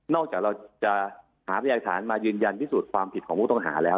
จากเราจะหาพยากฐานมายืนยันพิสูจน์ความผิดของผู้ต้องหาแล้ว